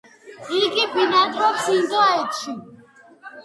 იგი ბინადრობს ინდოეთში.